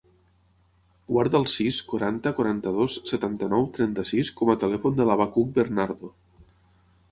Guarda el sis, quaranta, quaranta-dos, setanta-nou, trenta-sis com a telèfon del Abacuc Bernardo.